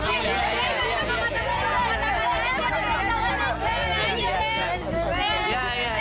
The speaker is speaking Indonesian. ternyata udah terima kasih